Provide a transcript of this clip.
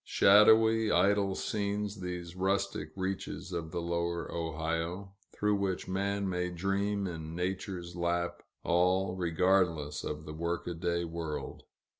Shadowy, idle scenes, these rustic reaches of the lower Ohio, through which man may dream in Nature's lap, all regardless of the workaday world.